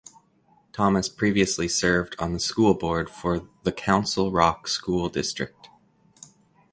Thomas previously served on the school board for the Council Rock School District.